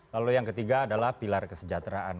lalu yang ketiga adalah pilar kesejahteraan